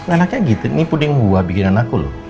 anaknya gitu ini puding buah bikinan aku loh